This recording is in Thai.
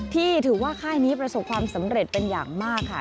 ที่ถือว่าค่ายนี้ประสบความสำเร็จเป็นอย่างมากค่ะ